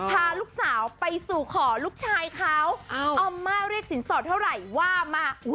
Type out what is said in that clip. พาลูกสาวไปสู่ขอลูกชายเขาอาม่าเรียกสินสอดเท่าไหร่ว่ามา